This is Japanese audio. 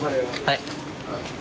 はい。